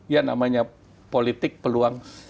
ya namanya politik peluang